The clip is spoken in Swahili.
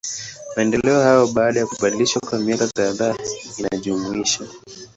Maendeleo hayo, baada ya kubadilishwa kwa miaka kadhaa inajumuisha.